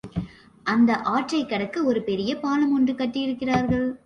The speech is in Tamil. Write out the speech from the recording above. அந்த ஆற்றைக் கடக்க ஒரு பெரிய பாலம் ஒன்றும் கட்டியிருக்கிறார்கள்.